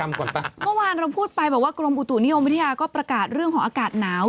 เมื่อวานเราพูดไปบอกว่ากรมอุตุนิยมวิทยาก็ประกาศเรื่องของอากาศหนาว